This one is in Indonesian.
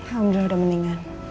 alhamdulillah udah mendingan